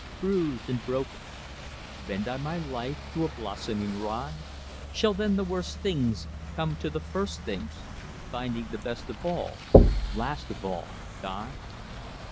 Bruised and broken, Bend I my life to a blossoming rod? Shall then the worst things Come to the first things, Finding the best of all, last of all, God?"